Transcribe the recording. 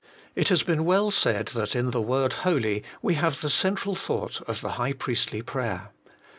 It has been well said that in the word Holy we have the central thought of the high priestly prayer.